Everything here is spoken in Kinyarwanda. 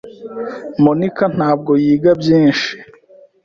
Monica ntabwo yiga byinshi.